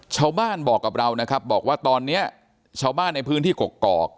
ชาวบ้านบอกกับเรานะครับบอกว่าตอนนี้ชาวบ้านในพื้นที่กกอก